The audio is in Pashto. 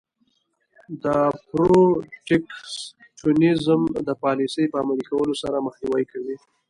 د protectionism د پالیسۍ په عملي کولو سره مخنیوی کوي.